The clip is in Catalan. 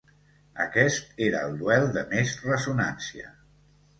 Aquest era el duel de més ressonància.